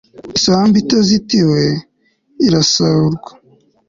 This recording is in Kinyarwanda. isambu itazitiye, irasahurwa